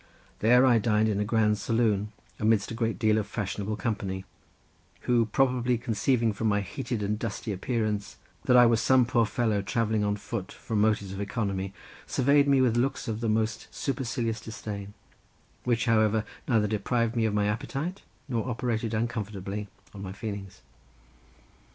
There I dined in a grand saloon amidst a great deal of fashionable company, who, probably conceiving from my heated and dusty appearance that I was some poor fellow travelling on foot from motives of economy, surveyed me with looks of the most supercilious disdain, which, however, neither deprived me of my appetite nor operated uncomfortably on my feelings.